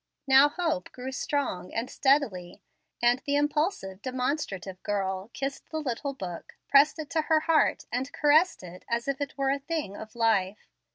Hope now grew strong and steadily, and the impulsive, demonstrative girl kissed the little Book, pressed it to her heart, and caressed it as if it were a thing of life.